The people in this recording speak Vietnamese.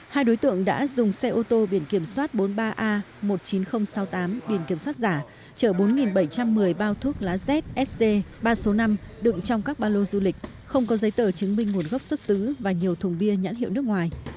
hai đối tượng đã dùng xe ô tô biển kiểm soát bốn mươi ba a một mươi chín nghìn sáu mươi tám biển kiểm soát giả chở bốn bảy trăm một mươi bao thuốc lá zsc ba trăm sáu mươi năm đựng trong các ba lô du lịch không có giấy tờ chứng minh nguồn gốc xuất xứ và nhiều thùng bia nhãn hiệu nước ngoài